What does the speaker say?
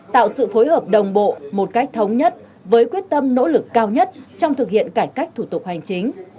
tạo sự phối hợp đồng bộ một cách thống nhất với quyết tâm nỗ lực cao nhất trong thực hiện cải cách thủ tục hành chính